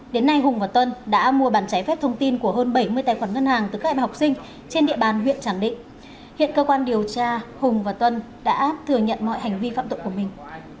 đến nay hùng và tuân đã mua bàn trái phép thông tin của hơn bảy mươi tài khoản ngân hàng từ các em học sinh trên địa bàn huyện tràng định hiện cơ quan điều tra hùng và tuân đã thừa nhận mọi hành vi phạm tội của mình